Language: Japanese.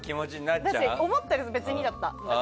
思ったより別にだった。